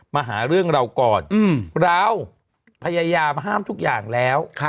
มาหาเรื่องเราก่อนเราพยายามห้ามทุกอย่างแล้ว